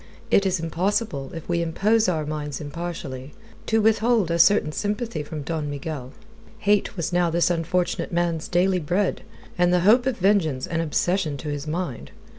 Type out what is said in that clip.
It is impossible, if we impose our minds impartially, to withhold a certain sympathy from Don Miguel. Hate was now this unfortunate man's daily bread, and the hope of vengeance an obsession to his mind.